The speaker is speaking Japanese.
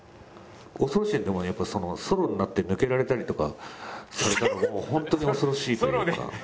恐ろしいのはやっぱりソロになって抜けられたりとかされたらもうホントに恐ろしいというか。